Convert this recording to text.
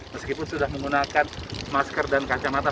meskipun sudah menggunakan masker dan kacamata